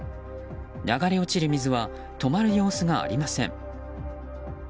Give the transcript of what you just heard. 流れ落ちる水は止まる様子がありません。